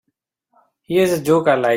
Here's a joke I like.